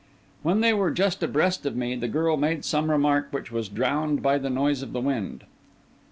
When they were just abreast of me, the girl made some remark which was drowned by the noise of the wind.